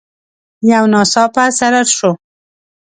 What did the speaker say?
يو ناڅاپه څررر شو.